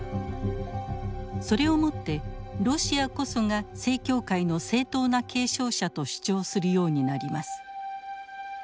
それをもってロシアこそが正教会の正当な継承者と主張するようになります。